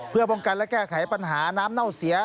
เพื่อป้องกันและแก้ไขปัญหาน้ำเน่าเสีย